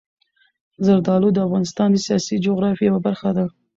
زردالو د افغانستان د سیاسي جغرافیې یوه برخه ده.